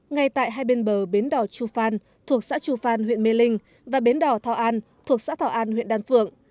ngay tại hai bên bờ bến đỏ chú phan thuộc xã chu phan huyện mê linh và bến đỏ thảo an thuộc xã thảo an huyện đan phượng